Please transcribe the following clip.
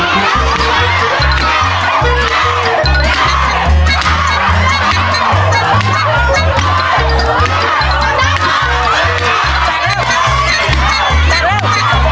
ไปแล้ว